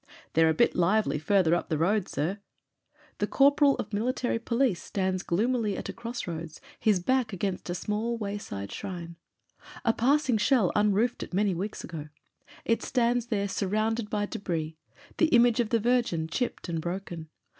"They're a bit lively farther up the road, sir." The corporal of military police stands gloomily at a cross PROLOGUE xiii roads, his back against a small wayside shrine. A passing shell unroofed it many weeks ago; it stands there surrounded by debris — the image of the Virgin, chipped and broken.